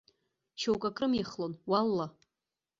Шьоук ак рымихлон уалла.